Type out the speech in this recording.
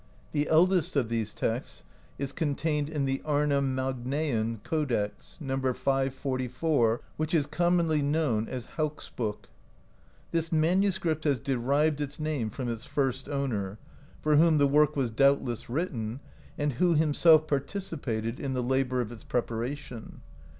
The eldest of these texts is contained in the Arna Magnaean Codex, No. 544, 4to^ which is commonly known as Hauk's Book [Hauksbok]. This manuscript has derived its name from its first owner, for whom the work was doubtless written, and who himself participated in the labour of its preparation.